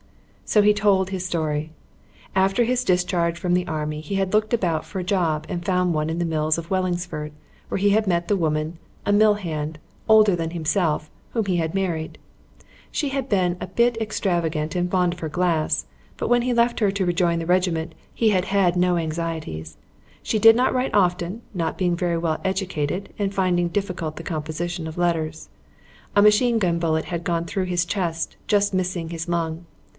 So he told his story. After his discharge from the Army he had looked about for a job and found one at the mills in Wellingsford, where he had met the woman, a mill hand, older than himself, whom he had married. She had been a bit extravagant and fond of her glass, but when he left her to rejoin the regiment, he had had no anxieties. She did not write often, not being very well educated and finding difficult the composition of letters. A machine gun bullet had gone through his chest, just missing his lung.